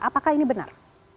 apakah ini benar